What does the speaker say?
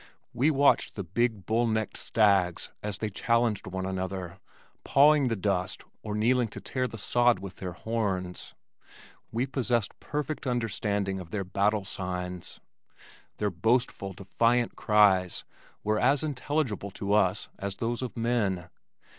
We watched the big bull necked stags as they challenged one another, pawing the dust or kneeling to tear the sod with their horns. We possessed perfect understanding of their battle signs. Their boastful, defiant cries were as intelligible to us as those of men.